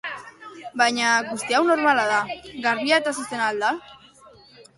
Baina... guzti hau normala, garbia eta zuzena al da?